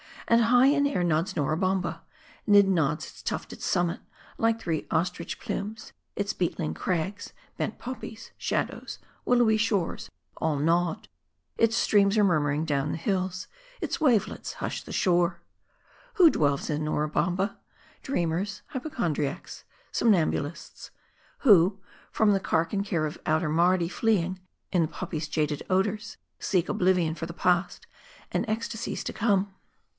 And high in air nods Nora Bamma. Nid nods its tufted summit like three ostrich plumes ; its beetling crags, bent poppies, shadows, willowy shores, all nod ; its streams are murmuring down the hills ; its wavelets hush the shore. Who dwells in Nora Bamma ? Dreamers, hypochon driacs, somnambulists ; who, from the cark and care of outer Mardi fleeing, in the poppy's jaded odors, seek oblivion for the past, and ecstasies to come.